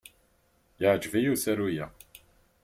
Yeɛjeb-iyi usaru-a.